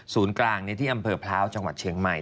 ศูนย์กลางเนี่ยที่อำเภอพร้าวจังหวัดเชียงใหม่